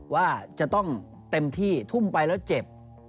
ว่าจะต้องเต็มที่ทุ่มไปแล้วเจ็บ